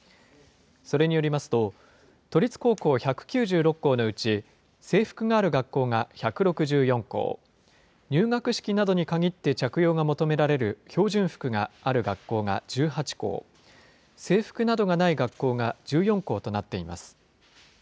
それによりますと、都立高校１９６校のうち、制服がある学校が１６４校、入学式などに限って着用が求められる標準服がある学校が１８校、制服などがない学校が１４校となっています。